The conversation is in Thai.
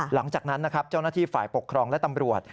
หลังจากนั้นนะครับเจ้าหน้าที่ฝ่ายปกครองและตำรวจ